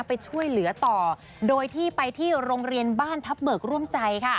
ไปช่วยเหลือต่อโดยที่ไปที่โรงเรียนบ้านทัพเบิกร่วมใจค่ะ